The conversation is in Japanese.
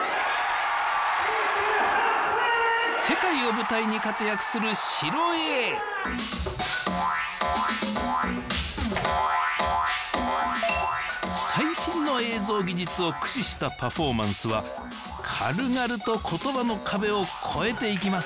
世界を舞台に活躍する白Ａ最新の映像技術を駆使したパフォーマンスは軽々と言葉の壁をこえていきます